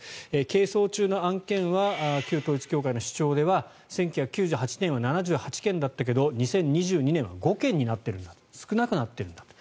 係争中の案件は旧統一教会の主張では１９９８年は７８件だったけど２０２２年は５件になっているんだと少なくなっているんだと。